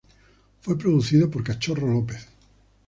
Fue producido por Cachorro López.